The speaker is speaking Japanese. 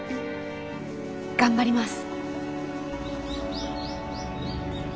頑張ります。